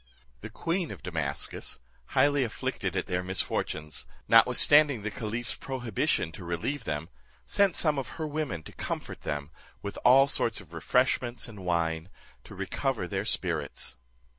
The queen of Damascus, highly afflicted at their misfortunes, notwithstanding the caliph's prohibition to relieve them, sent some of her women to comfort them, with all sorts of refreshments and wine, to recover their spirits.